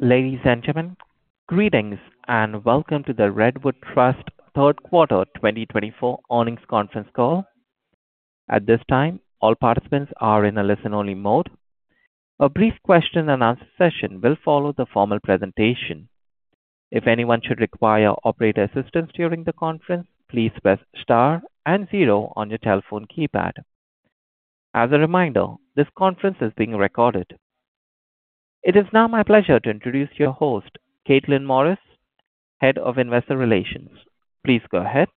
Ladies and gentlemen, greetings and welcome to the Redwood Trust third quarter 2024 earnings conference call. At this time, all participants are in a listen-only mode. A brief question-and-answer session will follow the formal presentation. If anyone should require operator assistance during the conference, please press star and zero on your telephone keypad. As a reminder, this conference is being recorded. It is now my pleasure to introduce your host, Kaitlyn Mauritz, Head of Investor Relations. Please go ahead.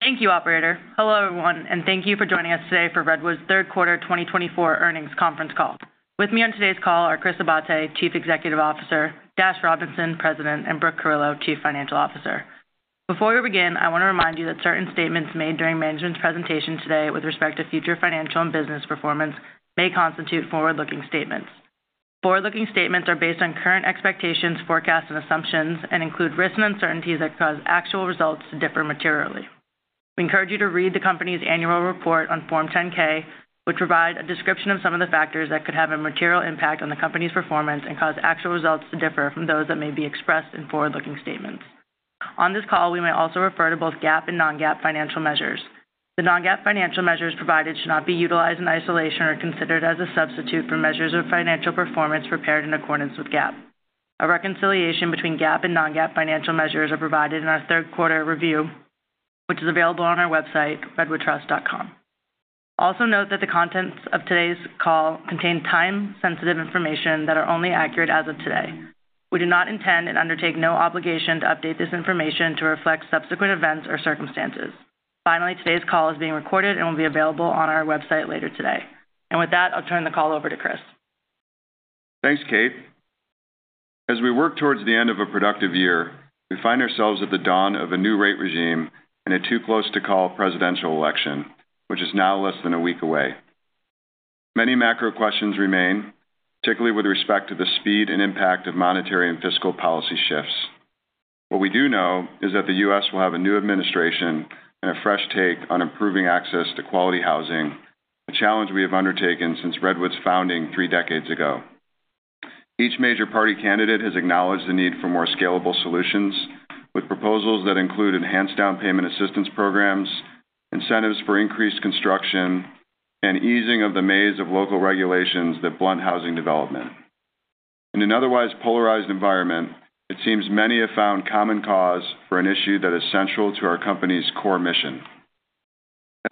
Thank you, Operator. Hello, everyone, and thank you for joining us today for Redwood's third quarter 2024 earnings conference call. With me on today's call are Chris Abate, Chief Executive Officer, Dash Robinson, President, and Brooke Carillo, Chief Financial Officer. Before we begin, I want to remind you that certain statements made during management's presentation today with respect to future financial and business performance may constitute forward-looking statements. Forward-looking statements are based on current expectations, forecasts, and assumptions, and include risks and uncertainties that cause actual results to differ materially. We encourage you to read the company's annual report on Form 10-K, which provides a description of some of the factors that could have a material impact on the company's performance and cause actual results to differ from those that may be expressed in forward-looking statements. On this call, we may also refer to both GAAP and non-GAAP financial measures. The non-GAAP financial measures provided should not be utilized in isolation or considered as a substitute for measures of financial performance prepared in accordance with GAAP. A reconciliation between GAAP and non-GAAP financial measures is provided in our third quarter review, which is available on our website, redwoodtrust.com. Also note that the contents of today's call contain time-sensitive information that is only accurate as of today. We do not intend and undertake no obligation to update this information to reflect subsequent events or circumstances. Finally, today's call is being recorded and will be available on our website later today. And with that, I'll turn the call over to Chris. Thanks, Kate. As we work towards the end of a productive year, we find ourselves at the dawn of a new rate regime and a too-close-to-call presidential election, which is now less than a week away. Many macro questions remain, particularly with respect to the speed and impact of monetary and fiscal policy shifts. What we do know is that the U.S. will have a new administration and a fresh take on improving access to quality housing, a challenge we have undertaken since Redwood's founding three decades ago. Each major party candidate has acknowledged the need for more scalable solutions, with proposals that include enhanced down payment assistance programs, incentives for increased construction, and easing of the maze of local regulations that blunt housing development. In an otherwise polarized environment, it seems many have found common cause for an issue that is central to our company's core mission.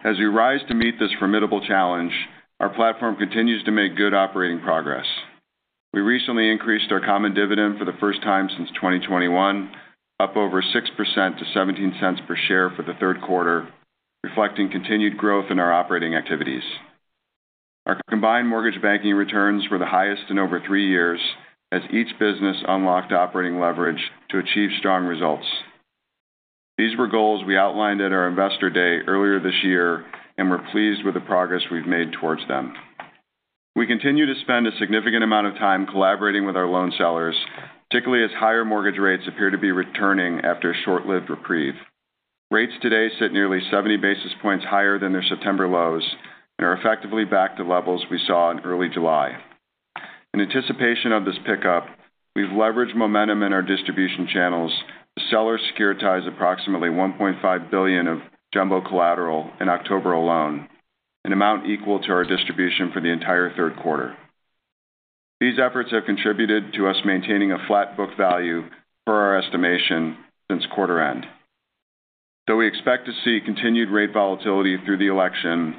As we rise to meet this formidable challenge, our platform continues to make good operating progress. We recently increased our common dividend for the first time since 2021, up over 6% to $0.17 per share for the third quarter, reflecting continued growth in our operating activities. Our combined mortgage banking returns were the highest in over three years, as each business unlocked operating leverage to achieve strong results. These were goals we outlined at our investor day earlier this year, and we're pleased with the progress we've made towards them. We continue to spend a significant amount of time collaborating with our loan sellers, particularly as higher mortgage rates appear to be returning after a short-lived reprieve. Rates today sit nearly 70 basis points higher than their September lows and are effectively back to levels we saw in early July. In anticipation of this pickup, we've leveraged momentum in our distribution channels to seller-securitize approximately $1.5 billion of jumbo collateral in October alone, an amount equal to our distribution for the entire third quarter. These efforts have contributed to us maintaining a flat book value per our estimation since quarter end. Though we expect to see continued rate volatility through the election,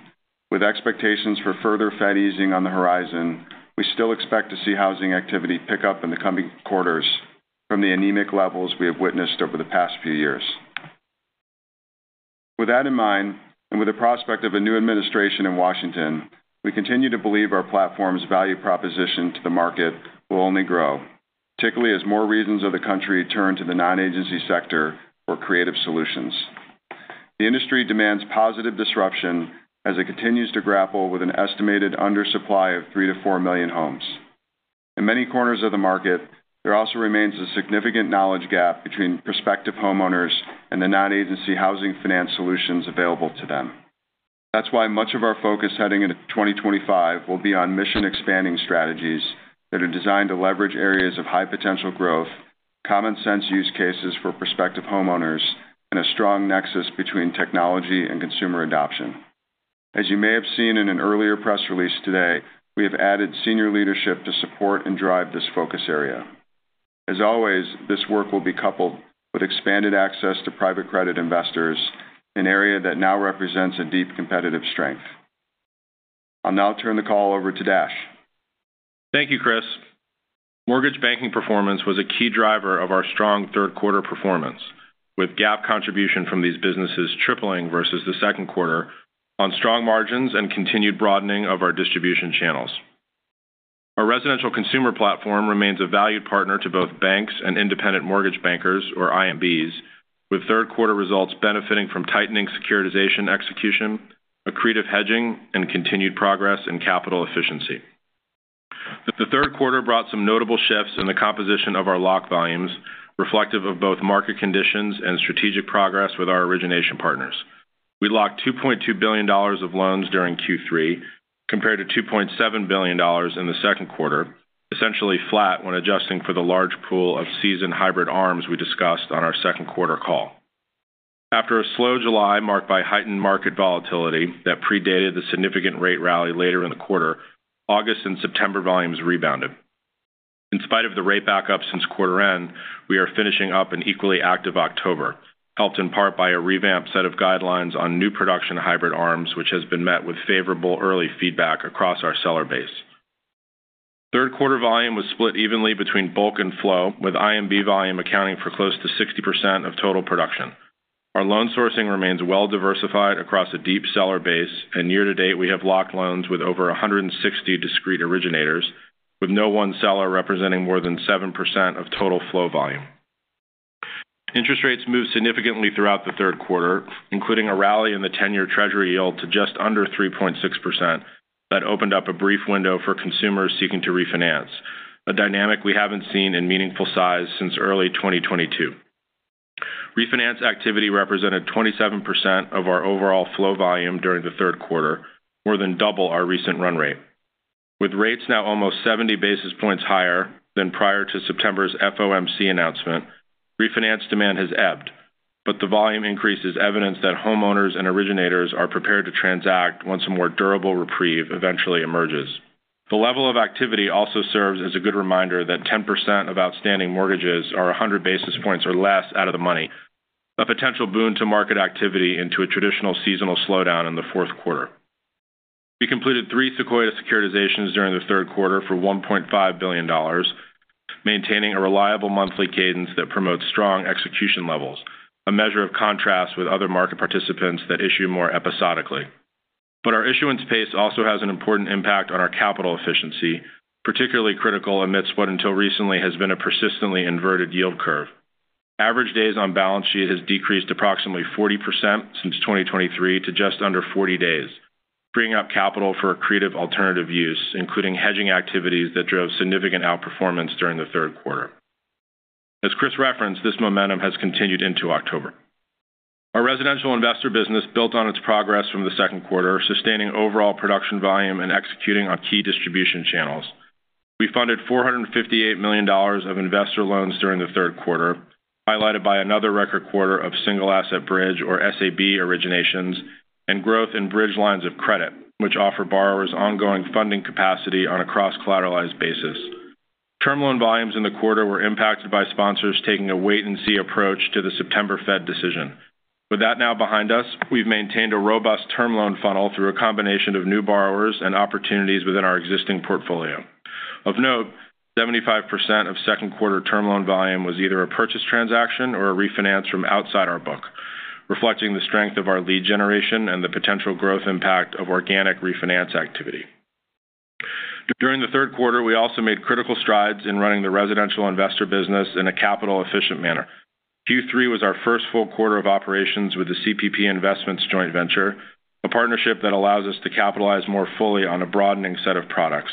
with expectations for further Fed easing on the horizon, we still expect to see housing activity pick up in the coming quarters from the anemic levels we have witnessed over the past few years. With that in mind, and with the prospect of a new administration in Washington, we continue to believe our platform's value proposition to the market will only grow, particularly as more regions of the country turn to the non-agency sector for creative solutions. The industry demands positive disruption as it continues to grapple with an estimated undersupply of three to four million homes. In many corners of the market, there also remains a significant knowledge gap between prospective homeowners and the non-agency housing finance solutions available to them. That's why much of our focus heading into 2025 will be on mission-expanding strategies that are designed to leverage areas of high potential growth, common sense use cases for prospective homeowners, and a strong nexus between technology and consumer adoption. As you may have seen in an earlier press release today, we have added senior leadership to support and drive this focus area. As always, this work will be coupled with expanded access to private credit investors, an area that now represents a deep competitive strength. I'll now turn the call over to Dash. Thank you, Chris. Mortgage banking performance was a key driver of our strong third quarter performance, with GAAP contribution from these businesses tripling versus the second quarter on strong margins and continued broadening of our distribution channels. Our residential consumer platform remains a valued partner to both banks and independent mortgage bankers, or IMBs, with third quarter results benefiting from tightening securitization execution, accretive hedging, and continued progress in capital efficiency. The third quarter brought some notable shifts in the composition of our lock volumes, reflective of both market conditions and strategic progress with our origination partners. We locked $2.2 billion of loans during Q3, compared to $2.7 billion in the second quarter, essentially flat when adjusting for the large pool of Sequoia hybrid ARMs we discussed on our second quarter call. After a slow July marked by heightened market volatility that predated the significant rate rally later in the quarter, August and September volumes rebounded. In spite of the rate backup since quarter end, we are finishing up an equally active October, helped in part by a revamped set of guidelines on new production Hybrid ARMs, which has been met with favorable early feedback across our seller base. Third quarter volume was split evenly between bulk and flow, with IMB volume accounting for close to 60% of total production. Our loan sourcing remains well-diversified across a deep seller base, and year to date we have locked loans with over 160 discrete originators, with no one seller representing more than 7% of total flow volume. Interest rates moved significantly throughout the third quarter, including a rally in the 10-year Treasury yield to just under 3.6% that opened up a brief window for consumers seeking to refinance, a dynamic we haven't seen in meaningful size since early 2022. Refinance activity represented 27% of our overall flow volume during the third quarter, more than double our recent run rate. With rates now almost 70 basis points higher than prior to September's FOMC announcement, refinance demand has ebbed, but the volume increase is evidence that homeowners and originators are prepared to transact once a more durable reprieve eventually emerges. The level of activity also serves as a good reminder that 10% of outstanding mortgages are 100 basis points or less out of the money, a potential boon to market activity into a traditional seasonal slowdown in the fourth quarter. We completed three Sequoia securitizations during the third quarter for $1.5 billion, maintaining a reliable monthly cadence that promotes strong execution levels, a measure of contrast with other market participants that issue more episodically. But our issuance pace also has an important impact on our capital efficiency, particularly critical amidst what until recently has been a persistently inverted yield curve. Average days on balance sheet has decreased approximately 40% since 2023 to just under 40 days, freeing up capital for accretive alternative use, including hedging activities that drove significant outperformance during the third quarter. As Chris referenced, this momentum has continued into October. Our residential investor business built on its progress from the second quarter, sustaining overall production volume and executing on key distribution channels. We funded $458 million of investor loans during the third quarter, highlighted by another record quarter of single asset bridge, or SAB, originations and growth in bridge lines of credit, which offer borrowers ongoing funding capacity on a cross-collateralized basis. Term loan volumes in the quarter were impacted by sponsors taking a wait-and-see approach to the September Fed decision. With that now behind us, we've maintained a robust term loan funnel through a combination of new borrowers and opportunities within our existing portfolio. Of note, 75% of second quarter term loan volume was either a purchase transaction or a refinance from outside our book, reflecting the strength of our lead generation and the potential growth impact of organic refinance activity. During the third quarter, we also made critical strides in running the residential investor business in a capital-efficient manner. Q3 was our first full quarter of operations with the CPP Investments joint venture, a partnership that allows us to capitalize more fully on a broadening set of products.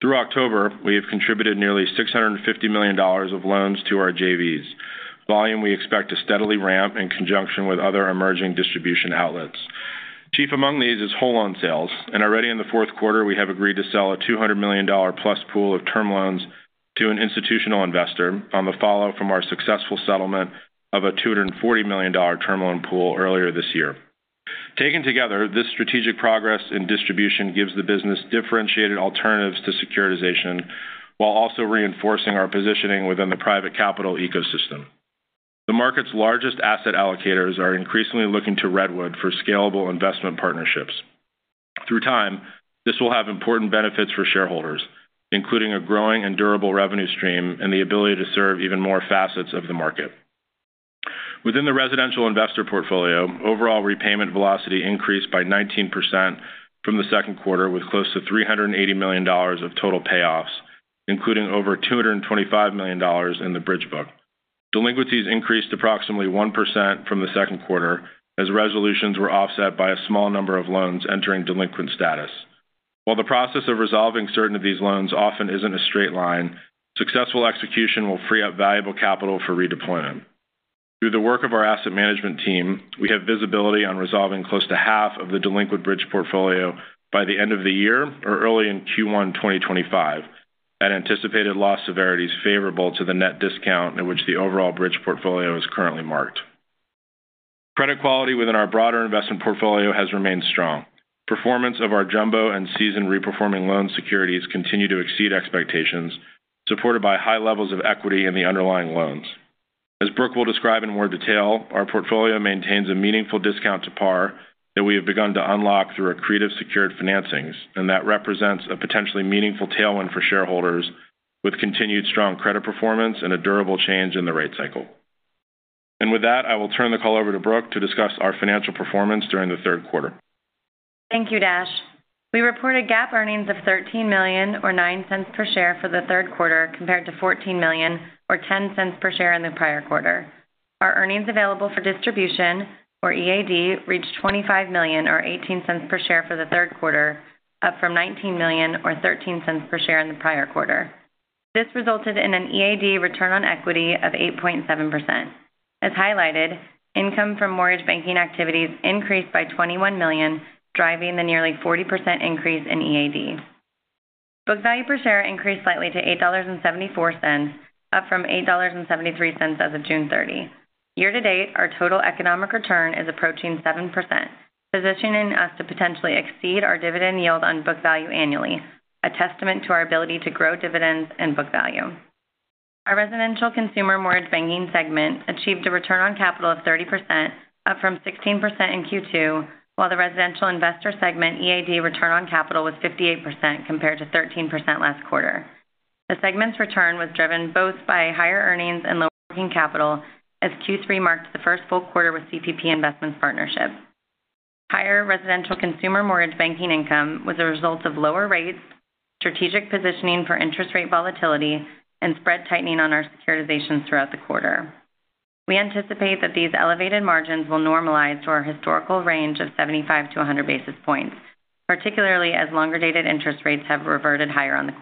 Through October, we have contributed nearly $650 million of loans to our JVs, volume we expect to steadily ramp in conjunction with other emerging distribution outlets. Chief among these is whole loan sales, and already in the fourth quarter, we have agreed to sell a $200 million-plus pool of term loans to an institutional investor on the follow from our successful settlement of a $240 million term loan pool earlier this year. Taken together, this strategic progress in distribution gives the business differentiated alternatives to securitization while also reinforcing our positioning within the private capital ecosystem. The market's largest asset allocators are increasingly looking to Redwood for scalable investment partnerships. Through time, this will have important benefits for shareholders, including a growing and durable revenue stream and the ability to serve even more facets of the market. Within the residential investor portfolio, overall repayment velocity increased by 19% from the second quarter, with close to $380 million of total payoffs, including over $225 million in the bridge book. Delinquencies increased approximately 1% from the second quarter as resolutions were offset by a small number of loans entering delinquent status. While the process of resolving certain of these loans often isn't a straight line, successful execution will free up valuable capital for redeployment. Through the work of our asset management team, we have visibility on resolving close to half of the delinquent bridge portfolio by the end of the year or early in Q1 2025, at anticipated loss severities favorable to the net discount at which the overall bridge portfolio is currently marked. Credit quality within our broader investment portfolio has remained strong. Performance of our jumbo and seasoned reperforming loan securities continue to exceed expectations, supported by high levels of equity in the underlying loans. As Brooke will describe in more detail, our portfolio maintains a meaningful discount to par that we have begun to unlock through accretive secured financings, and that represents a potentially meaningful tailwind for shareholders with continued strong credit performance and a durable change in the rate cycle. And with that, I will turn the call over to Brooke to discuss our financial performance during the third quarter. Thank you, Dash. We reported GAAP earnings of $13 million, or $0.09 per share for the third quarter, compared to $14 million, or $0.10 per share in the prior quarter. Our earnings available for distribution, or EAD, reached $25 million, or $0.18 per share for the third quarter, up from $19 million, or $0.13 per share in the prior quarter. This resulted in an EAD return on equity of 8.7%. As highlighted, income from mortgage banking activities increased by $21 million, driving the nearly 40% increase in EAD. Book value per share increased slightly to $8.74, up from $8.73 as of June 30. Year to date, our total economic return is approaching 7%, positioning us to potentially exceed our dividend yield on book value annually, a testament to our ability to grow dividends and book value. Our residential consumer mortgage banking segment achieved a return on capital of 30%, up from 16% in Q2, while the residential investor segment EAD return on capital was 58% compared to 13% last quarter. The segment's return was driven both by higher earnings and lower working capital, as Q3 marked the first full quarter with CPP Investments partnership. Higher residential consumer mortgage banking income was a result of lower rates, strategic positioning for interest rate volatility, and spread tightening on our securitizations throughout the quarter. We anticipate that these elevated margins will normalize to our historical range of 75 to 100 basis points, particularly as longer-dated interest rates have reverted higher on the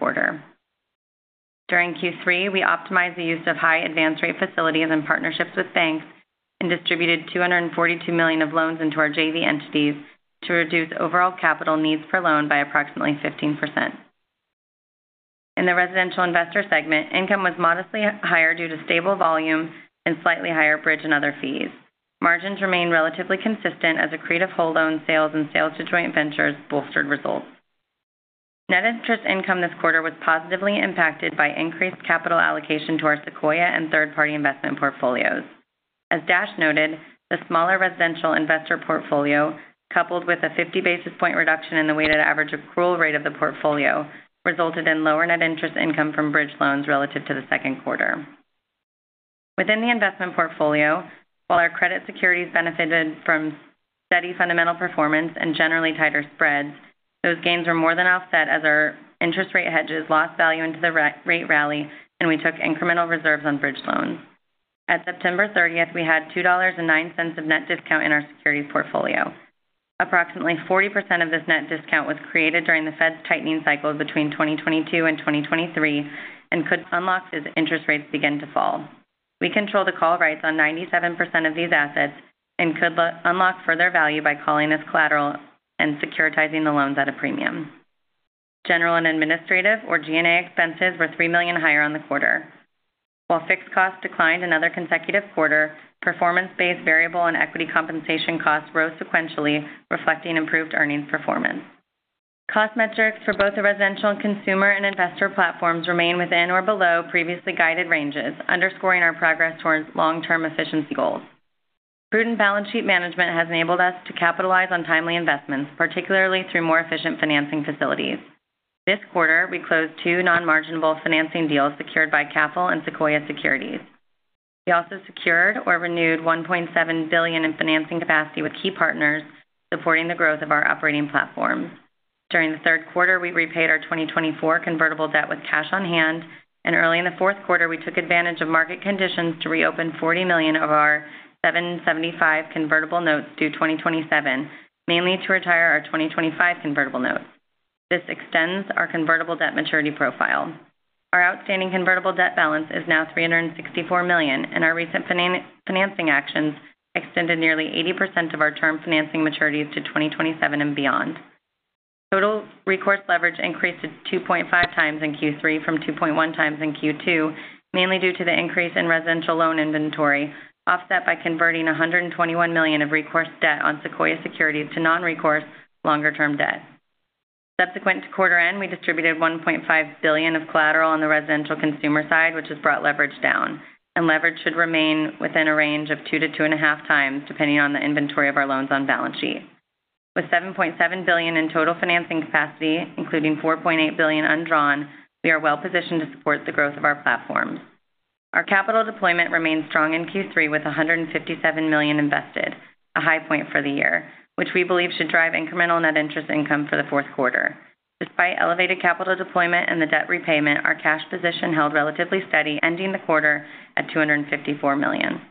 quarter. During Q3, we optimized the use of high advance rate facilities and partnerships with banks and distributed $242 million of loans into our JV entities to reduce overall capital needs per loan by approximately 15%. In the residential investor segment, income was modestly higher due to stable volume and slightly higher bridge and other fees. Margins remained relatively consistent as accretive whole loan sales and sales to joint ventures bolstered results. Net interest income this quarter was positively impacted by increased capital allocation to our Sequoia and third-party investment portfolios. As Dash noted, the smaller residential investor portfolio, coupled with a 50 basis points reduction in the weighted average accrual rate of the portfolio, resulted in lower net interest income from bridge loans relative to the second quarter. Within the investment portfolio, while our credit securities benefited from steady fundamental performance and generally tighter spreads, those gains were more than offset as our interest rate hedges lost value into the rate rally and we took incremental reserves on bridge loans. At September 30, we had $2.09 of net discount in our securities portfolio. Approximately 40% of this net discount was created during the Fed's tightening cycle between 2022 and 2023 and could unlock as interest rates began to fall. We controlled the call rights on 97% of these assets and could unlock further value by calling as collateral and securitizing the loans at a premium. General and administrative, or G&A, expenses were $3 million higher on the quarter. While fixed costs declined another consecutive quarter, performance-based variable and equity compensation costs rose sequentially, reflecting improved earnings performance. Cost metrics for both the residential and consumer and investor platforms remain within or below previously guided ranges, underscoring our progress towards long-term efficiency goals. Prudent balance sheet management has enabled us to capitalize on timely investments, particularly through more efficient financing facilities. This quarter, we closed two non-marginable financing deals secured by Capital and Sequoia Securities. We also secured or renewed $1.7 billion in financing capacity with key partners, supporting the growth of our operating platforms. During the third quarter, we repaid our 2024 convertible debt with cash on hand, and early in the fourth quarter, we took advantage of market conditions to reopen $40 million of our $775 million convertible notes due 2027, mainly to retire our 2025 convertible notes. This extends our convertible debt maturity profile. Our outstanding convertible debt balance is now $364 million, and our recent financing actions extended nearly 80% of our term financing maturities to 2027 and beyond. Total recourse leverage increased to 2.5 times in Q3 from 2.1 times in Q2, mainly due to the increase in residential loan inventory, offset by converting $121 million of recourse debt on Sequoia Securities to non-recourse longer-term debt. Subsequent to quarter end, we distributed $1.5 billion of collateral on the residential consumer side, which has brought leverage down, and leverage should remain within a range of two to two and a half times, depending on the inventory of our loans on balance sheet. With $7.7 billion in total financing capacity, including $4.8 billion undrawn, we are well-positioned to support the growth of our platforms. Our capital deployment remained strong in Q3 with $157 million invested, a high point for the year, which we believe should drive incremental net interest income for the fourth quarter. Despite elevated capital deployment and the debt repayment, our cash position held relatively steady, ending the quarter at $254 million.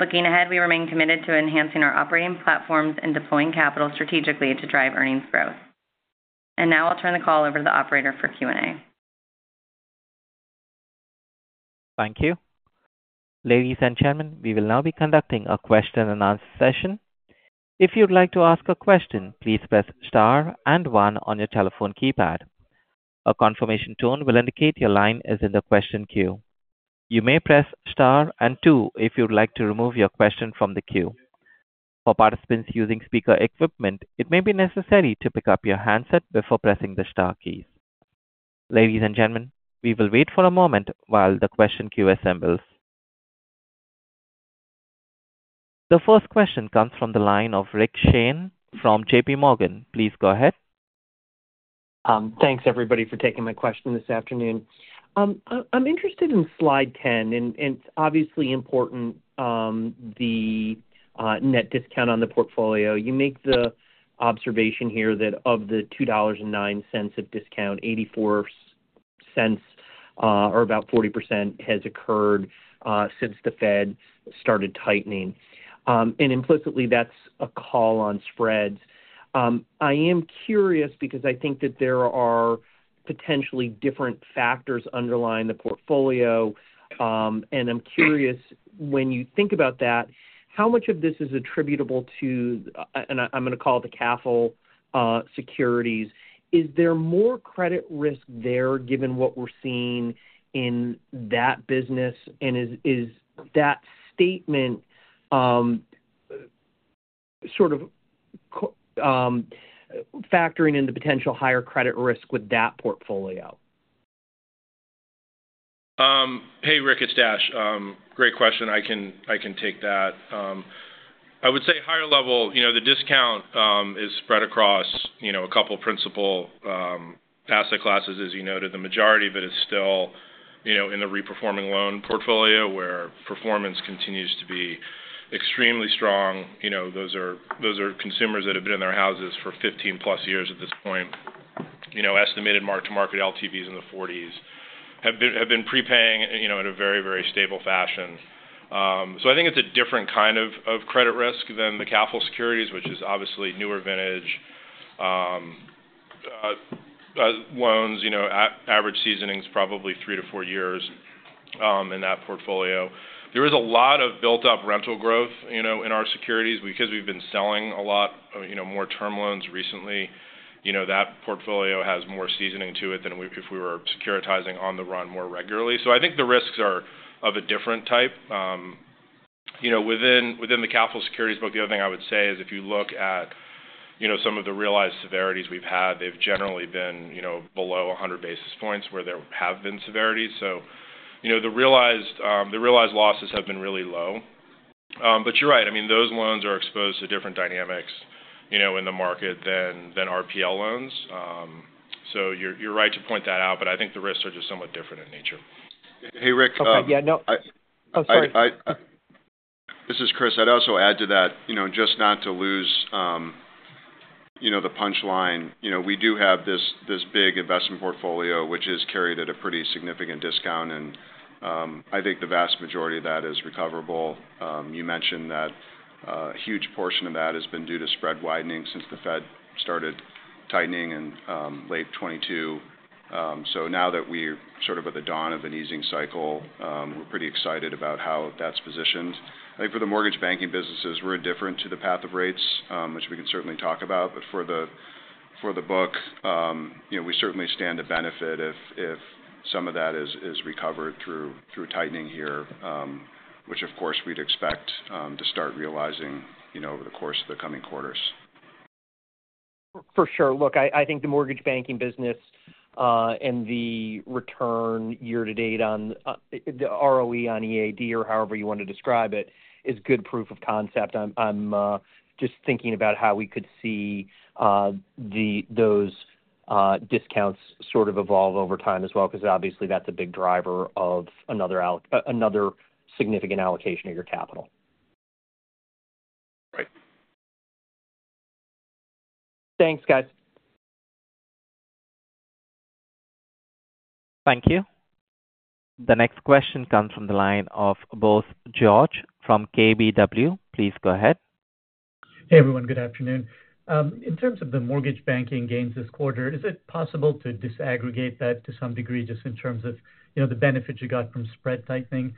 Looking ahead, we remain committed to enhancing our operating platforms and deploying capital strategically to drive earnings growth. And now I'll turn the call over to the operator for Q&A. Thank you. Ladies and gentlemen, we will now be conducting a question-and-answer session. If you'd like to ask a question, please press star and one on your telephone keypad. A confirmation tone will indicate your line is in the question queue. You may press star and two if you'd like to remove your question from the queue. For participants using speaker equipment, it may be necessary to pick up your handset before pressing the star keys. Ladies and gentlemen, we will wait for a moment while the question queue assembles. The first question comes from the line of Rick Shane from JPMorgan. Please go ahead. Thanks, everybody, for taking my question this afternoon. I'm interested in slide 10, and it's obviously important, the net discount on the portfolio. You make the observation here that of the $2.09 of discount, $0.84, or about 40%, has occurred since the Fed started tightening. And implicitly, that's a call on spreads. I am curious because I think that there are potentially different factors underlying the portfolio, and I'm curious, when you think about that, how much of this is attributable to, and I'm going to call it the Capital Securities? Is there more credit risk there given what we're seeing in that business, and is that statement sort of factoring in the potential higher credit risk with that portfolio? Hey, Rick, it's Dash. Great question. I can take that. I would say higher level, the discount is spread across a couple of principal asset classes, as you noted. The majority of it is still in the reperforming loan portfolio where performance continues to be extremely strong. Those are consumers that have been in their houses for 15-plus years at this point. Estimated mark-to-market LTVs in the 40s have been prepaying in a very, very stable fashion. So I think it's a different kind of credit risk than the Capital Securities, which is obviously newer vintage loans. Average seasoning is probably three to four years in that portfolio. There is a lot of built-up rental growth in our securities because we've been selling a lot more term loans recently. That portfolio has more seasoning to it than if we were securitizing on the run more regularly. So I think the risks are of a different type. Within the Capital Securities book, the other thing I would say is if you look at some of the realized severities we've had, they've generally been below 100 basis points where there have been severities. So the realized losses have been really low. But you're right, I mean, those loans are exposed to different dynamics in the market than RPL loans. So you're right to point that out, but I think the risks are just somewhat different in nature. Hey, Rick. Oh, yeah, no. Oh, sorry. This is Chris. I'd also add to that, just not to lose the punchline. We do have this big investment portfolio, which is carried at a pretty significant discount, and I think the vast majority of that is recoverable. You mentioned that a huge portion of that has been due to spread widening since the Fed started tightening in late 2022, so now that we're sort of at the dawn of an easing cycle, we're pretty excited about how that's positioned. I think for the mortgage banking businesses, we're indifferent to the path of rates, which we can certainly talk about, but for the book, we certainly stand to benefit if some of that is recovered through tightening here, which, of course, we'd expect to start realizing over the course of the coming quarters. For sure. Look, I think the mortgage banking business and the return year-to-date on the ROE on EAD, or however you want to describe it, is good proof of concept. I'm just thinking about how we could see those discounts sort of evolve over time as well, because obviously that's a big driver of another significant allocation of your capital. Right. Thanks, guys. Thank you. The next question comes from the line of Bose George from KBW. Please go ahead. Hey, everyone. Good afternoon. In terms of the mortgage banking gains this quarter, is it possible to disaggregate that to some degree just in terms of the benefits you got from spread tightening?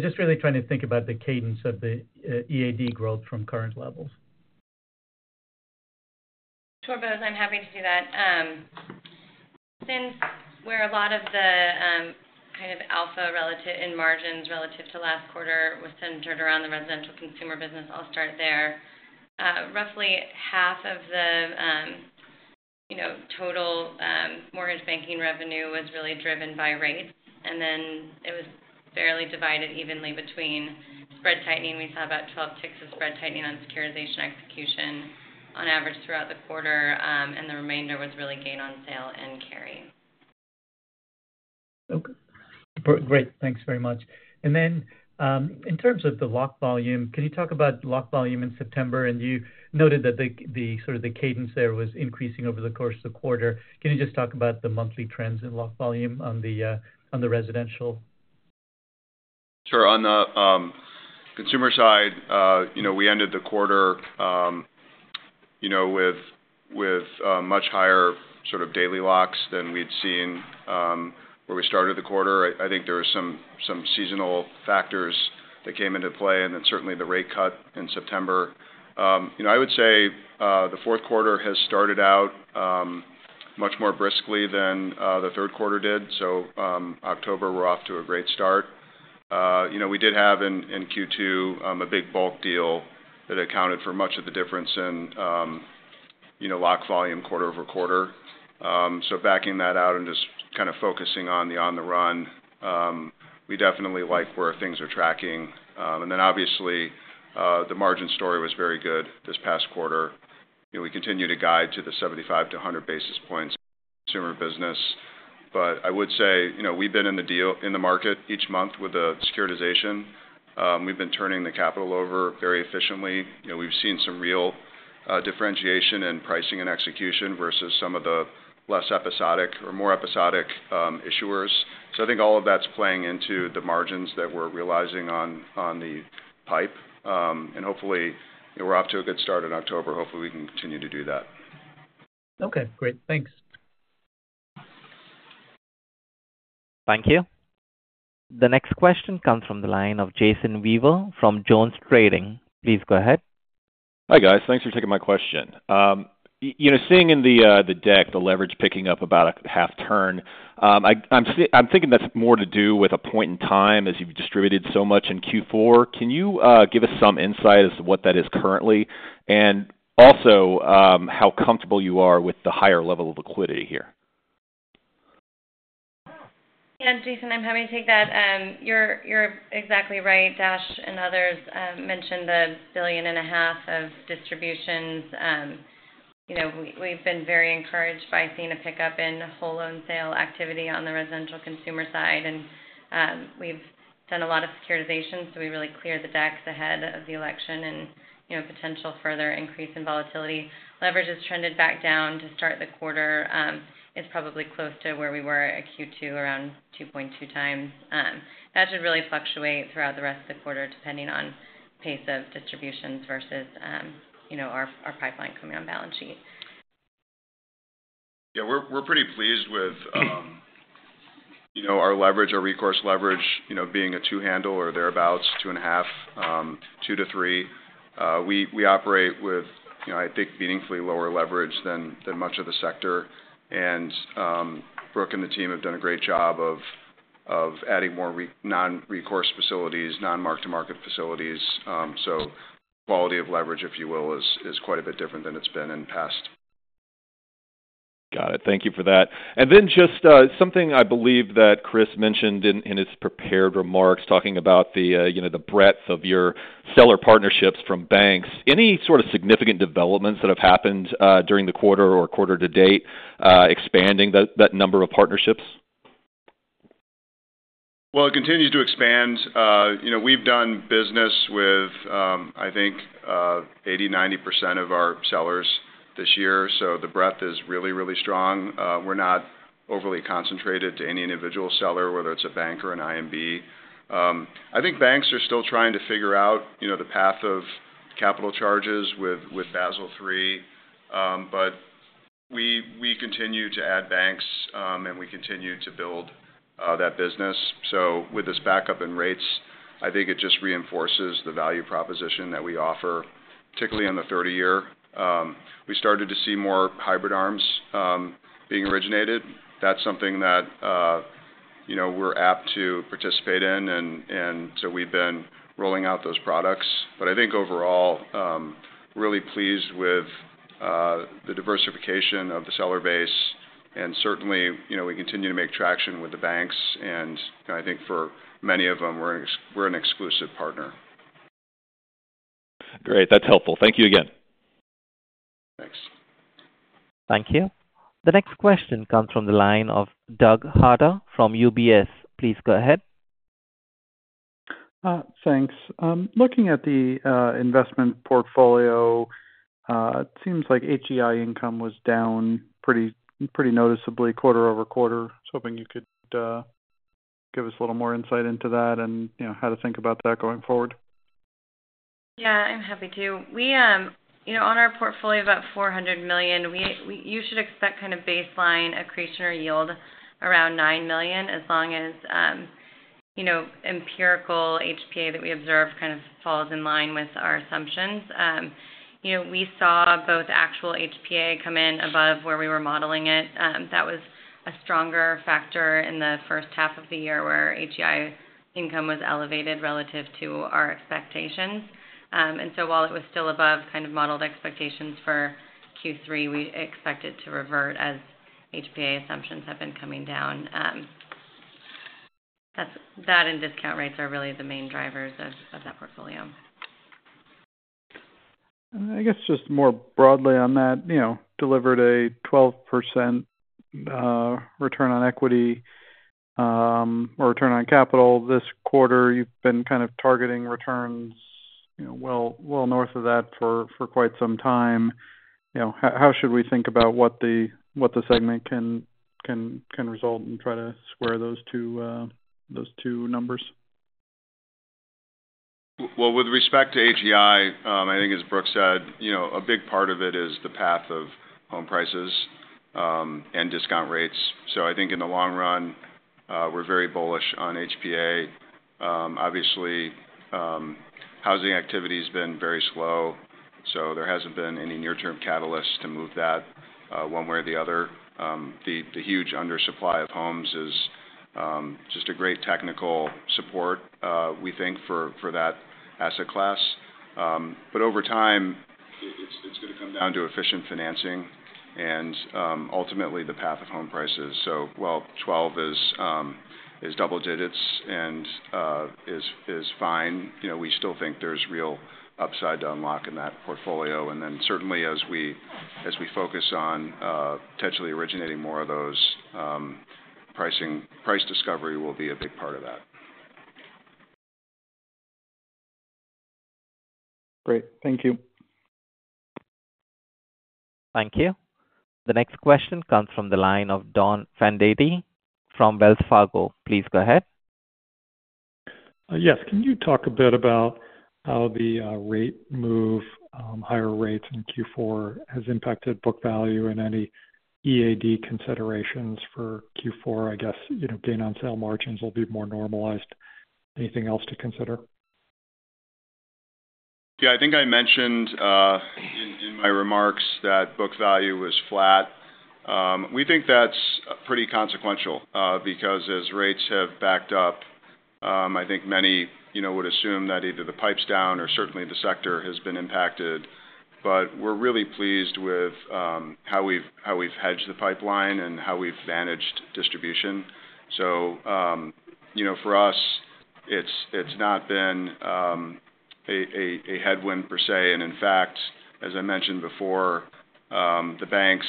Just really trying to think about the cadence of the EAD growth from current levels. Bose George, I'm happy to do that. Since where a lot of the kind of alpha in margins relative to last quarter was centered around the residential consumer business, I'll start there. Roughly half of the total mortgage banking revenue was really driven by rates, and then it was fairly divided evenly between spread tightening. We saw about 12 ticks of spread tightening on securitization execution on average throughout the quarter, and the remainder was really gain on sale and carry. Great. Thanks very much. And then in terms of the lock volume, can you talk about lock volume in September? And you noted that sort of the cadence there was increasing over the course of the quarter. Can you just talk about the monthly trends in lock volume on the residential? Sure. On the consumer side, we ended the quarter with much higher sort of daily locks than we'd seen where we started the quarter. I think there were some seasonal factors that came into play, and then certainly the rate cut in September. I would say the fourth quarter has started out much more briskly than the third quarter did. So October, we're off to a great start. We did have in Q2 a big bulk deal that accounted for much of the difference in lock volume quarter over quarter. So backing that out and just kind of focusing on the on-the-run, we definitely like where things are tracking. And then obviously, the margin story was very good this past quarter. We continue to guide to the 75-100 basis points consumer business, but I would say we've been in the market each month with the securitization. We've been turning the capital over very efficiently. We've seen some real differentiation in pricing and execution versus some of the less episodic or more episodic issuers. So I think all of that's playing into the margins that we're realizing on the pipe. And hopefully, we're off to a good start in October. Hopefully, we can continue to do that. Okay. Great. Thanks. Thank you. The next question comes from the line of Jason Weaver from JonesTrading. Please go ahead. Hi guys. Thanks for taking my question. Seeing in the deck the leverage picking up about a half turn, I'm thinking that's more to do with a point in time as you've distributed so much in Q4. Can you give us some insight as to what that is currently and also how comfortable you are with the higher level of liquidity here? Yeah. Jason, I'm happy to take that. You're exactly right. Dash and others mentioned $1.5 billion of distributions. We've been very encouraged by seeing a pickup in whole loan sale activity on the residential consumer side, and we've done a lot of securitization, so we really cleared the decks ahead of the election and potential further increase in volatility. Leverage has trended back down to start the quarter. It's probably close to where we were at Q2, around 2.2 times. That should really fluctuate throughout the rest of the quarter depending on the pace of distributions versus our pipeline coming on balance sheet. Yeah. We're pretty pleased with our leverage, our recourse leverage being a two-handle or thereabouts, two and a half, two to three. We operate with, I think, meaningfully lower leverage than much of the sector, and Brooke and the team have done a great job of adding more non-recourse facilities, non-mark-to-market facilities. So quality of leverage, if you will, is quite a bit different than it's been in past. Got it. Thank you for that, and then just something I believe that Chris mentioned in his prepared remarks talking about the breadth of your seller partnerships from banks. Any sort of significant developments that have happened during the quarter or quarter to date expanding that number of partnerships? It continues to expand. We've done business with, I think, 80%-90% of our sellers this year, so the breadth is really, really strong. We're not overly concentrated to any individual seller, whether it's a bank or an IMB. I think banks are still trying to figure out the path of capital charges with Basel III, but we continue to add banks and we continue to build that business. With this backup in rates, I think it just reinforces the value proposition that we offer, particularly on the 30-year. We started to see more hybrid ARMs being originated. That's something that we're apt to participate in, and so we've been rolling out those products. But I think overall, really pleased with the diversification of the seller base, and certainly we continue to make traction with the banks, and I think for many of them, we're an exclusive partner. Great. That's helpful. Thank you again. Thanks. Thank you. The next question comes from the line of Doug Harter from UBS. Please go ahead. Thanks. Looking at the investment portfolio, it seems like HEI income was down pretty noticeably quarter over quarter. I was hoping you could give us a little more insight into that and how to think about that going forward. Yeah. I'm happy to. On our portfolio of about $400 million, you should expect kind of baseline accretion or yield around $9 million as long as empirical HPA that we observe kind of falls in line with our assumptions. We saw both actual HPA come in above where we were modeling it. That was a stronger factor in the first half of the year where HEI income was elevated relative to our expectations. And so while it was still above kind of modeled expectations for Q3, we expect it to revert as HPA assumptions have been coming down. That and discount rates are really the main drivers of that portfolio. I guess just more broadly on that, delivered a 12% return on equity or return on capital. This quarter, you've been kind of targeting returns well north of that for quite some time. How should we think about what the segment can result and try to square those two numbers? With respect to HEI, I think, as Brooke said, a big part of it is the path of home prices and discount rates. So I think in the long run, we're very bullish on HPA. Obviously, housing activity has been very slow, so there hasn't been any near-term catalysts to move that one way or the other. The huge undersupply of homes is just a great technical support, we think, for that asset class. But over time, it's going to come down to efficient financing and ultimately the path of home prices. So while 12 is double digits and is fine, we still think there's real upside to unlock in that portfolio. And then certainly, as we focus on potentially originating more of those, price discovery will be a big part of that. Great. Thank you. Thank you. The next question comes from the line of Don Fandetti from Wells Fargo. Please go ahead. Yes. Can you talk a bit about how the rate move, higher rates in Q4, has impacted book value and any EAD considerations for Q4? I guess gain on sale margins will be more normalized. Anything else to consider? Yeah. I think I mentioned in my remarks that book value was flat. We think that's pretty consequential because as rates have backed up, I think many would assume that either the pipe's down or certainly the sector has been impacted. But we're really pleased with how we've hedged the pipeline and how we've managed distribution. So for us, it's not been a headwind per se. And in fact, as I mentioned before, the banks,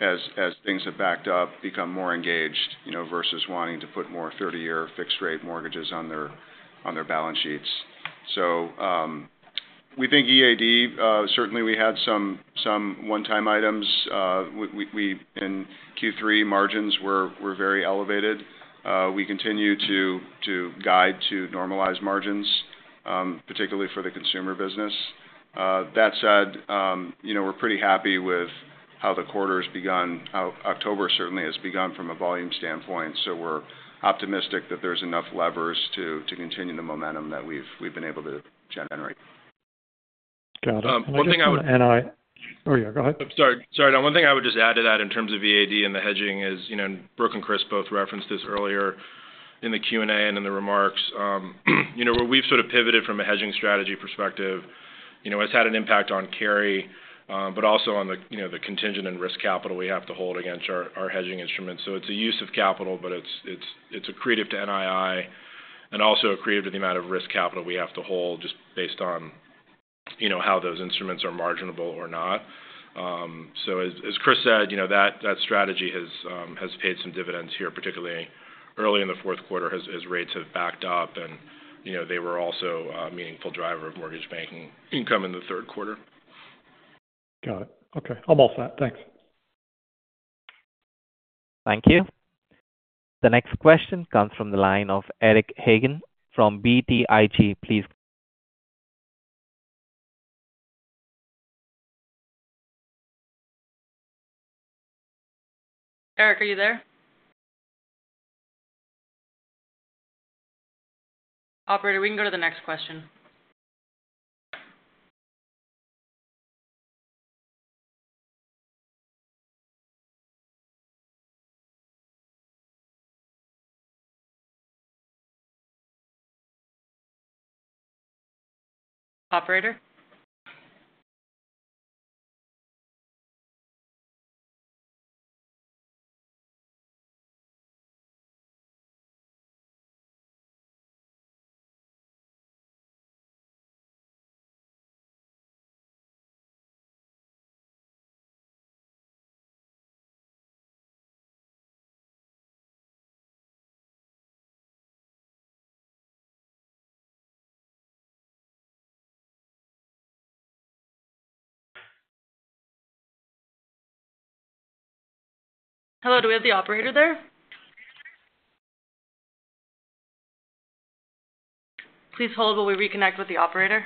as things have backed up, become more engaged versus wanting to put more 30-year fixed-rate mortgages on their balance sheets. So we think EAD, certainly we had some one-time items. In Q3, margins were very elevated. We continue to guide to normalized margins, particularly for the consumer business. That said, we're pretty happy with how the quarter has begun. October certainly has begun from a volume standpoint, so we're optimistic that there's enough levers to continue the momentum that we've been able to generate. Got it. One thing I would. Oh yeah. Go ahead. Sorry. Sorry. One thing I would just add to that in terms of EAD and the hedging is Brooke and Chris both referenced this earlier in the Q&A and in the remarks. Where we've sort of pivoted from a hedging strategy perspective has had an impact on carry, but also on the contingent and risk capital we have to hold against our hedging instruments. So it's a use of capital, but it's accretive to NII and also accretive to the amount of risk capital we have to hold just based on how those instruments are marginable or not. So as Chris said, that strategy has paid some dividends here, particularly early in the fourth quarter as rates have backed up, and they were also a meaningful driver of mortgage banking income in the third quarter. Got it. Okay. I'm all set. Thanks. Thank you. The next question comes from the line of Eric Hagen from BTIG. Please. Eric, are you there? Operator, we can go to the next question. Operator. Hello. Do we have the operator there? Please hold while we reconnect with the operator.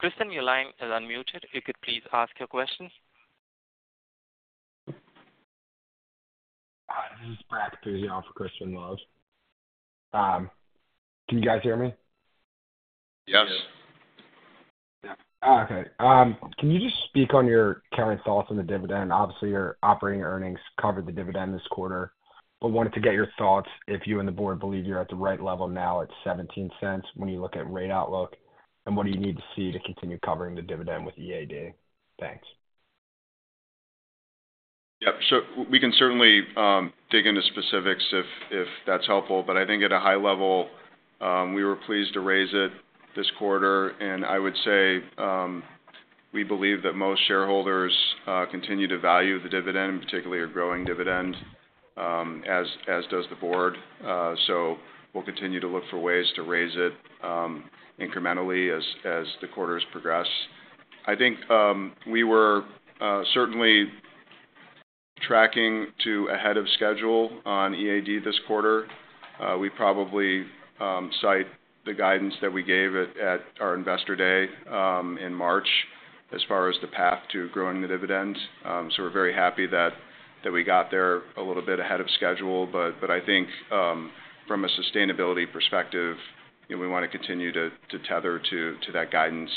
Crispin, your line is unmuted. If you could please ask your question. Hi. This is Brett through the operator for Crispin Love. Can you guys hear me? Yes. Yeah. Okay. Can you just speak on your current thoughts on the dividend? Obviously, your operating earnings covered the dividend this quarter, but wanted to get your thoughts if you and the board believe you're at the right level now at $0.17 when you look at rate outlook, and what do you need to see to continue covering the dividend with EAD? Thanks. Yeah. So we can certainly dig into specifics if that's helpful, but I think at a high level, we were pleased to raise it this quarter, and I would say we believe that most shareholders continue to value the dividend, particularly a growing dividend, as does the board. So we'll continue to look for ways to raise it incrementally as the quarters progress. I think we were certainly tracking ahead of schedule on EAD this quarter. We probably cite the guidance that we gave at our investor day in March as far as the path to growing the dividend. So we're very happy that we got there a little bit ahead of schedule, but I think from a sustainability perspective, we want to continue to tether to that guidance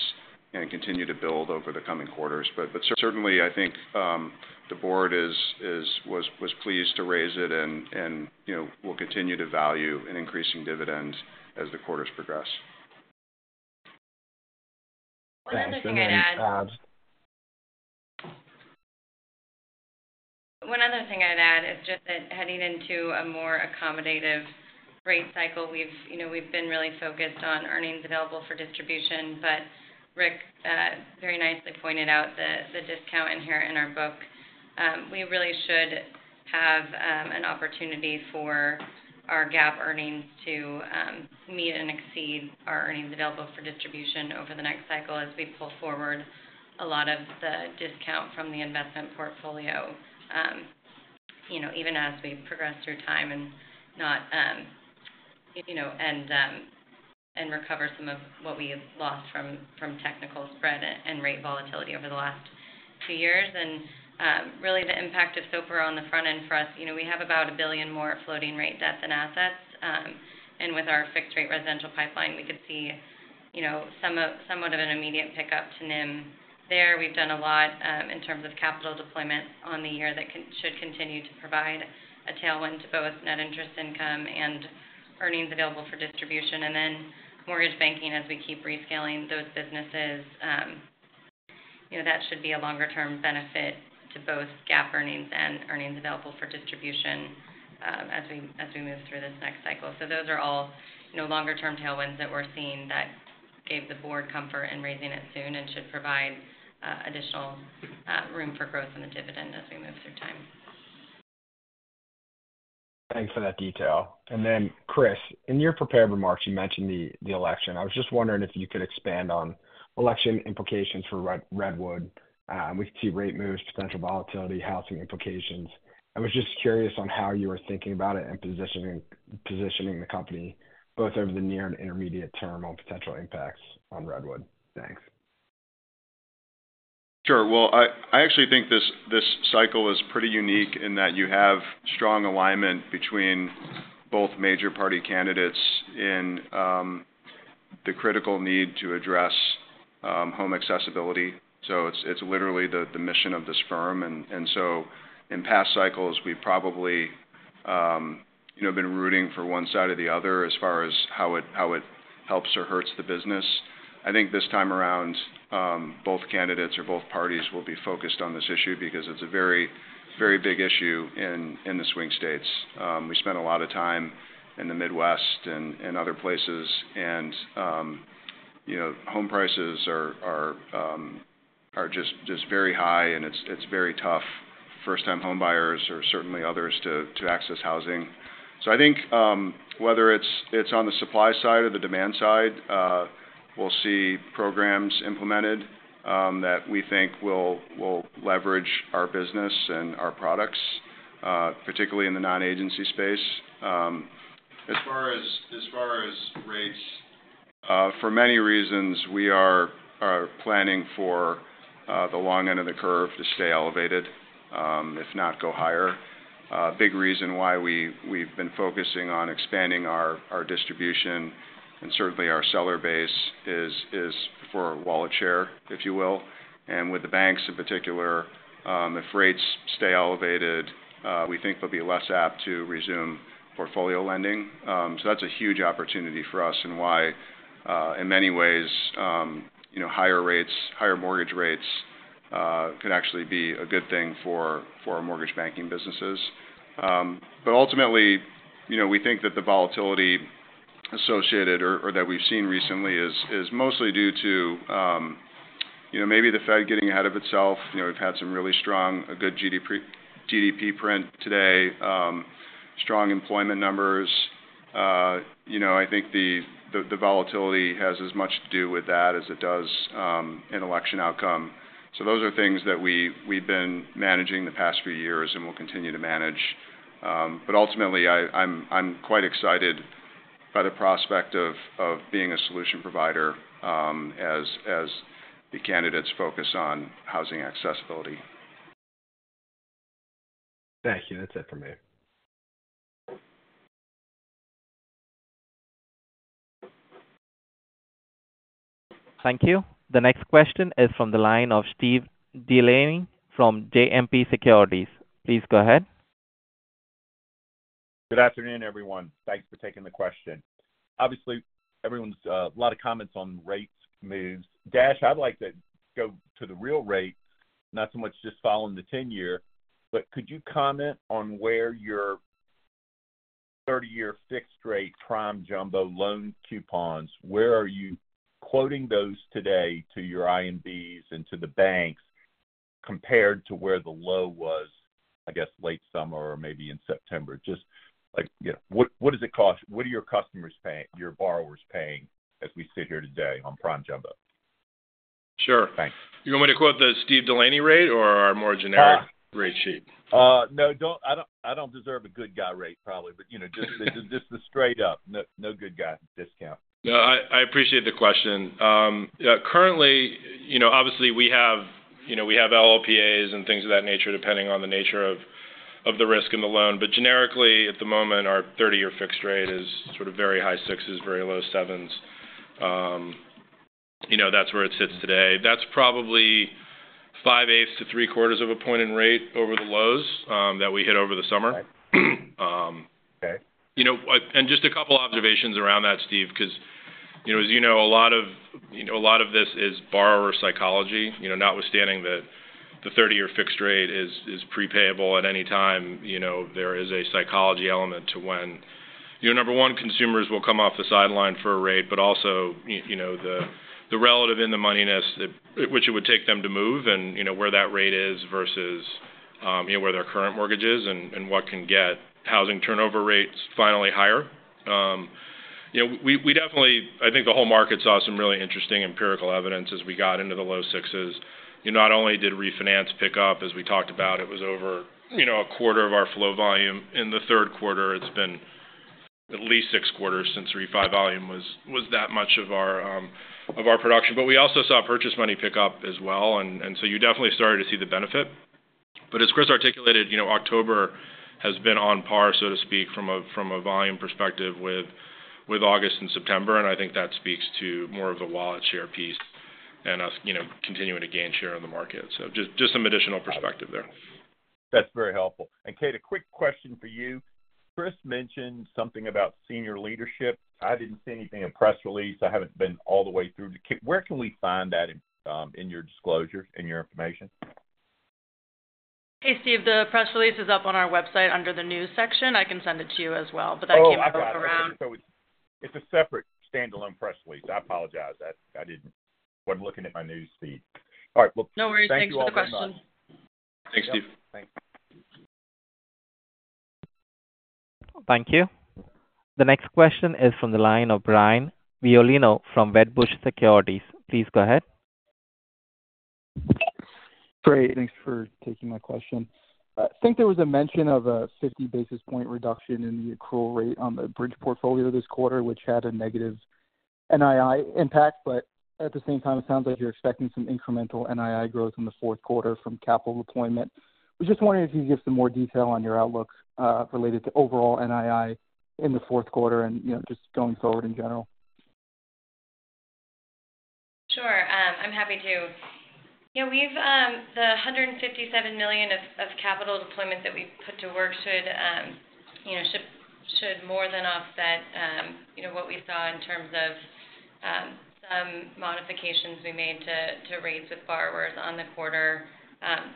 and continue to build over the coming quarters. But certainly, I think the board was pleased to raise it, and we'll continue to value an increasing dividend as the quarters progress. One other thing I'd add. One other thing I'd add is just that heading into a more accommodative rate cycle, we've been really focused on earnings available for distribution, but Rick very nicely pointed out the discount in here in our book. We really should have an opportunity for our GAAP earnings to meet and exceed our earnings available for distribution over the next cycle as we pull forward a lot of the discount from the investment portfolio, even as we progress through time and recover some of what we lost from technical spread and rate volatility over the last two years. And really, the impact of SOFR on the front end for us, we have about $1 billion more floating rate debt than assets. And with our fixed-rate residential pipeline, we could see somewhat of an immediate pickup to NIM there. We've done a lot in terms of capital deployment on the year that should continue to provide a tailwind to both net interest income and earnings available for distribution, and then mortgage banking, as we keep rescaling those businesses, that should be a longer-term benefit to both GAAP earnings and earnings available for distribution as we move through this next cycle, so those are all longer-term tailwinds that we're seeing that gave the board comfort in raising it soon and should provide additional room for growth in the dividend as we move through time. Thanks for that detail. And then, Chris, in your prepared remarks, you mentioned the election. I was just wondering if you could expand on election implications for Redwood. We can see rate moves, potential volatility, housing implications. I was just curious on how you were thinking about it and positioning the company both over the near and intermediate term on potential impacts on Redwood. Thanks. Sure. Well, I actually think this cycle is pretty unique in that you have strong alignment between both major party candidates in the critical need to address home accessibility. So it's literally the mission of this firm. And so in past cycles, we've probably been rooting for one side or the other as far as how it helps or hurts the business. I think this time around, both candidates or both parties will be focused on this issue because it's a very big issue in the swing states. We spent a lot of time in the Midwest and other places, and home prices are just very high, and it's very tough for first-time home buyers or certainly others to access housing. So I think whether it's on the supply side or the demand side, we'll see programs implemented that we think will leverage our business and our products, particularly in the non-agency space. As far as rates, for many reasons, we are planning for the long end of the curve to stay elevated, if not go higher. Big reason why we've been focusing on expanding our distribution and certainly our seller base is for wallet share, if you will. And with the banks in particular, if rates stay elevated, we think they'll be less apt to resume portfolio lending. So that's a huge opportunity for us and why, in many ways, higher mortgage rates could actually be a good thing for mortgage banking businesses. But ultimately, we think that the volatility associated or that we've seen recently is mostly due to maybe the Fed getting ahead of itself. We've had some really strong, a good GDP print today, strong employment numbers. I think the volatility has as much to do with that as it does an election outcome. So those are things that we've been managing the past few years and will continue to manage. But ultimately, I'm quite excited by the prospect of being a solution provider as the candidates focus on housing accessibility. Thank you. That's it for me. Thank you. The next question is from the line of Steve Delaney from JMP Securities. Please go ahead. Good afternoon, everyone. Thanks for taking the question. Obviously, everyone's a lot of comments on rate moves. Dash, I'd like to go to the real rate, not so much just following the 10-year, but could you comment on where your 30-year fixed-rate prime jumbo loan coupons, where are you quoting those today to your IMBs and to the banks compared to where the low was, I guess, late summer or maybe in September? Just what does it cost? What are your customers, your borrowers paying as we sit here today on prime jumbo? Sure. You want me to quote the Steve Delaney rate or our more generic rate sheet? No. I don't deserve a good guy rate, probably, but just the straight-up no good guy discount. No, I appreciate the question. Currently, obviously, we have LLPAs and things of that nature depending on the nature of the risk in the loan. But generically, at the moment, our 30-year fixed rate is sort of very high sixes, very low sevens. That's where it sits today. That's probably 0.625-0.75 points in rate over the lows that we hit over the summer. And just a couple of observations around that, Steve, because as you know, a lot of this is borrower psychology. Notwithstanding that the 30-year fixed rate is prepayable at any time, there is a psychology element to when, number one, consumers will come off the sidelines for a rate, but also the relative in the moneyness, which it would take them to move, and where that rate is versus where their current mortgage is and what can get housing turnover rates finally higher. I think the whole market saw some really interesting empirical evidence as we got into the low sixes. Not only did refinance pick up, as we talked about, it was over a quarter of our flow volume. In the third quarter, it's been at least six quarters since refi volume was that much of our production, but we also saw purchase money pick up as well, and so you definitely started to see the benefit, but as Chris articulated, October has been on par, so to speak, from a volume perspective with August and September, and I think that speaks to more of the wallet share piece and us continuing to gain share in the market, so just some additional perspective there. That's very helpful. And Kate, a quick question for you. Chris mentioned something about senior leadership. I didn't see anything in a press release. I haven't been all the way through. Where can we find that in your disclosure, in your information? Hey, Steve, the press release is up on our website under the news section. I can send it to you as well, but that came across around. Oh, I got it. So it's a separate standalone press release. I apologize. I wasn't looking at my news feed. All right. Well. No worries. Thanks for the question. Thanks, Steve. Thanks. Thank you. The next question is from the line of Brian Violino from Wedbush Securities. Please go ahead. Great. Thanks for taking my question. I think there was a mention of a 50 basis points reduction in the accrual rate on the bridge portfolio this quarter, which had a negative NII impact. But at the same time, it sounds like you're expecting some incremental NII growth in the fourth quarter from capital deployment. I was just wondering if you could give some more detail on your outlook related to overall NII in the fourth quarter and just going forward in general. Sure. I'm happy to. Yeah. The $157 million of capital deployment that we put to work should more than offset what we saw in terms of some modifications we made to rates with borrowers on the quarter,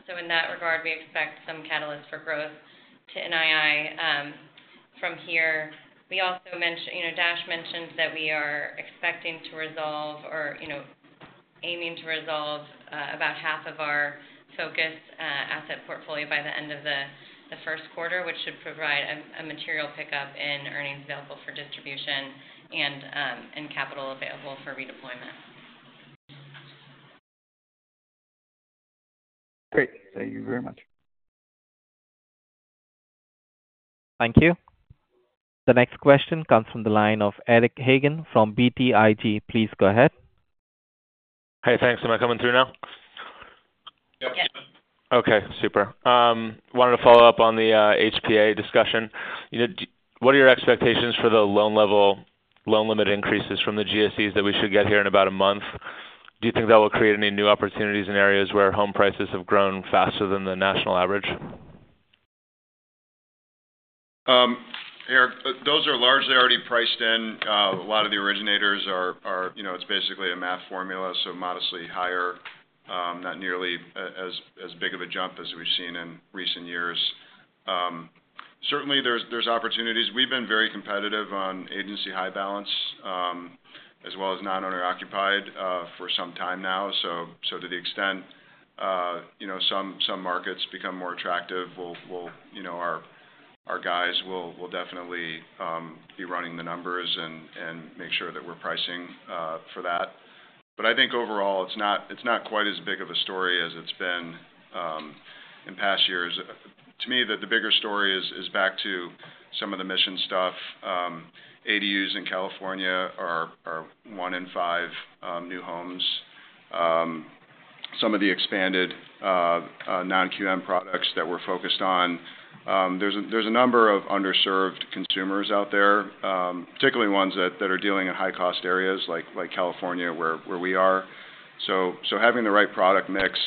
so in that regard, we expect some catalysts for growth to NII from here. Dash mentioned that we are expecting to resolve or aiming to resolve about half of our focus asset portfolio by the end of the first quarter, which should provide a material pickup in earnings available for distribution and capital available for redeployment. Great. Thank you very much. Thank you. The next question comes from the line of Eric Hagen from BTIG. Please go ahead. Hey, thanks. Am I coming through now? Yep. Yep. Okay. Super. Wanted to follow up on the HPA discussion. What are your expectations for the loan limit increases from the GSEs that we should get here in about a month? Do you think that will create any new opportunities in areas where home prices have grown faster than the national average? Eric, those are largely already priced in. A lot of the originators are. It's basically a math formula, so modestly higher, not nearly as big of a jump as we've seen in recent years. Certainly, there's opportunities. We've been very competitive on agency high balance as well as non-owner-occupied for some time now. So to the extent some markets become more attractive, our guys will definitely be running the numbers and make sure that we're pricing for that. But I think overall, it's not quite as big of a story as it's been in past years. To me, the bigger story is back to some of the mission stuff. ADUs in California are one in five new homes. Some of the expanded non-QM products that we're focused on, there's a number of underserved consumers out there, particularly ones that are dealing in high-cost areas like California where we are. So having the right product mix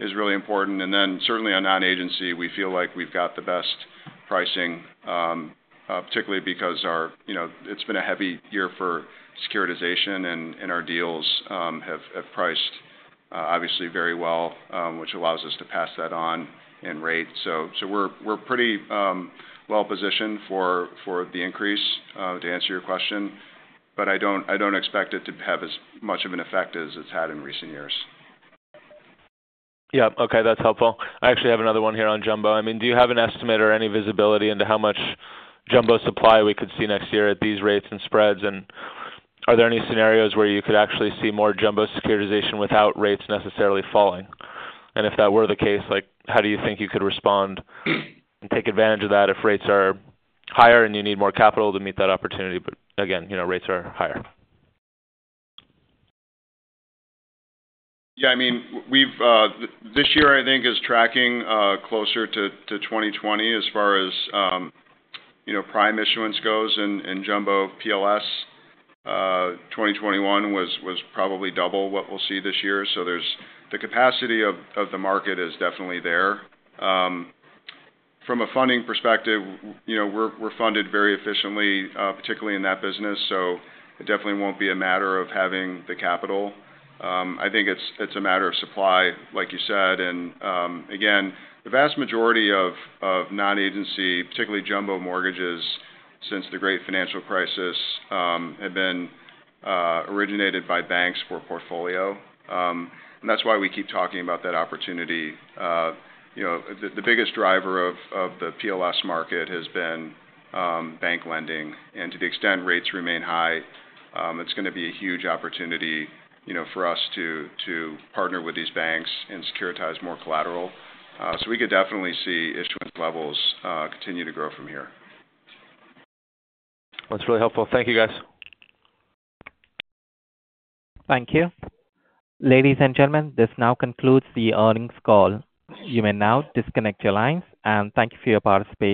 is really important. And then certainly on non-agency, we feel like we've got the best pricing, particularly because it's been a heavy year for securitization, and our deals have priced obviously very well, which allows us to pass that on in rate. So we're pretty well-positioned for the increase, to answer your question, but I don't expect it to have as much of an effect as it's had in recent years. Yeah. Okay. That's helpful. I actually have another one here on jumbo. I mean, do you have an estimate or any visibility into how much jumbo supply we could see next year at these rates and spreads? And are there any scenarios where you could actually see more jumbo securitization without rates necessarily falling? And if that were the case, how do you think you could respond and take advantage of that if rates are higher and you need more capital to meet that opportunity? But again, rates are higher. Yeah. I mean, this year, I think, is tracking closer to 2020 as far as prime issuance goes. And jumbo PLS 2021 was probably double what we'll see this year. So the capacity of the market is definitely there. From a funding perspective, we're funded very efficiently, particularly in that business, so it definitely won't be a matter of having the capital. I think it's a matter of supply, like you said. And again, the vast majority of non-agency, particularly jumbo mortgages since the Great Financial Crisis, have been originated by banks for portfolio. And that's why we keep talking about that opportunity. The biggest driver of the PLS market has been bank lending. And to the extent rates remain high, it's going to be a huge opportunity for us to partner with these banks and securitize more collateral. So we could definitely see issuance levels continue to grow from here. That's really helpful. Thank you, guys. Thank you. Ladies and gentlemen, this now concludes the earnings call. You may now disconnect your lines, and thank you for your participation.